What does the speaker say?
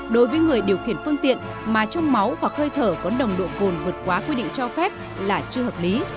đối với người điều khiển phương tiện mà trong máu hoặc hơi thở có nồng độ cồn vượt quá quy định cho phép là chưa hợp lý